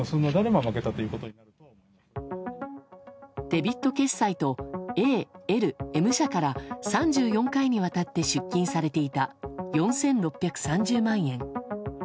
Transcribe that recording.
デビット決済とＡ、Ｌ、Ｍ社から３４回にわたって出金されていた４６３０万円。